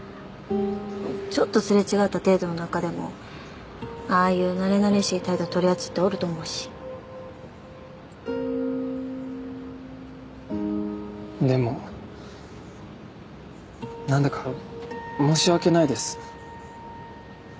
ちょっとすれ違った程度の仲でもああいうなれなれしい態度取るやつっておると思うしでもなんだか申し訳ないです